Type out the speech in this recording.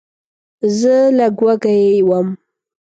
زه لږ وږی وم.